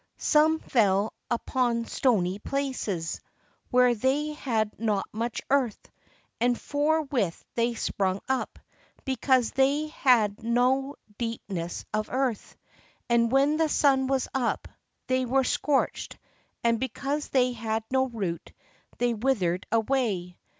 Some fell upon stony places, where they had not much earth; and forth with they sprung up, be cause they had no deep ness of earth. And when the sun was up, they were scorched; and because they had no root, they withered away.